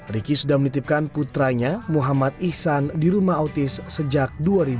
riki sudah menitipkan putranya muhammad ihsan di rumah autis sejak dua ribu dua